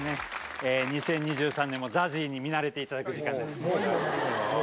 ２０２３年もＺＡＺＹに見慣れていただく時間です。